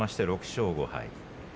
６勝５敗。